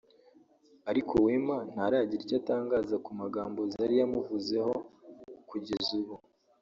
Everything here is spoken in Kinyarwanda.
Ariko Wema ntaragira icyo atangaza ku magambo Zari yamuvuzeho ku jyeza ubu